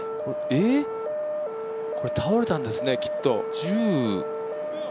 えっ、倒れたんですね、きっと。